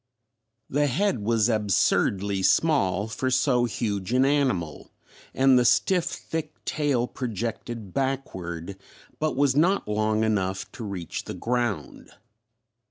The head was absurdly small for so huge an animal, and the stiff thick tail projected backward but was not long enough to reach the ground.